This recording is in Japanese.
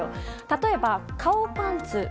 例えば、顔パンツ。